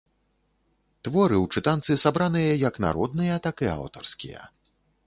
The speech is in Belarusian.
Творы ў чытанцы сабраныя як народныя, так і аўтарскія.